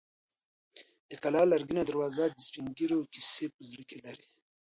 د کلا لرګینه دروازه د سپین ږیرو کیسې په زړه کې لري.